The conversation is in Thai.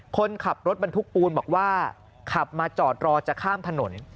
คนขับรถบรรทุกปูนบอกว่าขับมาจอดรอจะข้ามถนน